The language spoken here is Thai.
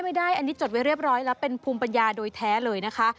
ไม่ได้อันนี้จดไว้เรียบร้อยแล้วเป็นภูมิปัญญาโดยแท้เลยนะคะ